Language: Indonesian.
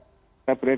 ketinggi isis pada saat